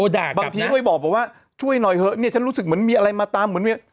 บางทีก็จะบอกว่าช่วยหน่อยเถอะเนี่ยฉันรู้สึกมันมีอะไรมาตาม